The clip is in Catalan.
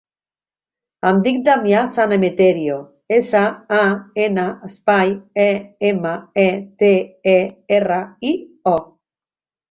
Em dic Damià San Emeterio: essa, a, ena, espai, e, ema, e, te, e, erra, i, o.